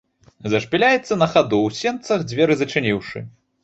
Зашпіляецца на хаду, у сенцах дзверы зачыніўшы.